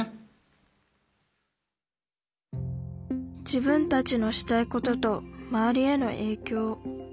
自分たちのしたいことと周りへのえいきょう。